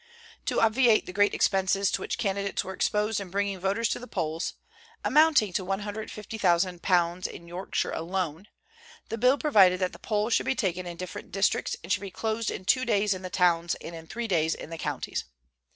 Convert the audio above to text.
To obviate the great expenses to which candidates were exposed in bringing voters to the polls (amounting to £150,000 in Yorkshire alone), the bill provided that the poll should be taken in different districts, and should be closed in two days in the towns, and in three days in the counties.